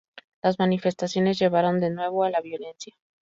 Las Manifestaciones llevaron de nuevo a la violencia.